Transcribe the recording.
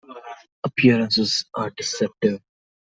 Appearances are deceptive.